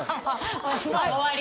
終わり。